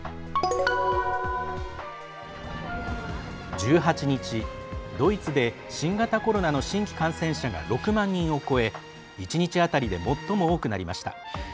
１８日、ドイツで新型コロナの新規感染者が６万人を超え１日当たりで最も多くなりました。